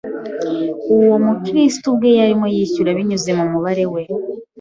uwo Kristo ubwe yarimo yishyura binyuze mu mubabaro we